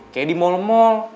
kayak di mal mal